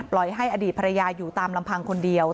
ให้อดีตภรรยาอยู่ตามลำพังคนเดียว